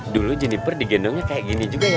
dulu jenniper digendongnya kayak gini juga ya